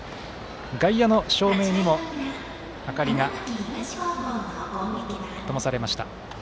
外野の照明にも明かりがともされました。